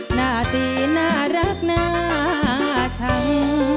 หน้าตีน่ารักน่าชัง